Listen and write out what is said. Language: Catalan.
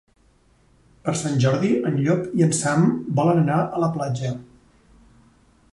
Per Sant Jordi en Llop i en Sam volen anar a la platja.